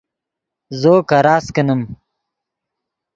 زو کراست کینیم